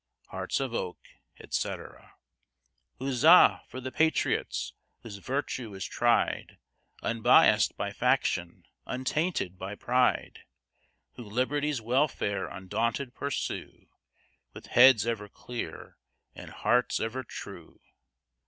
Hearts of oak, etc. Huzza! for the patriots whose virtue is tried Unbiass'd by faction, untainted by pride: Who Liberty's welfare undaunted pursue, With heads ever clear, and hearts ever true.